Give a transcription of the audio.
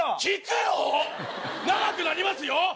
聞くの⁉長くなりますよ？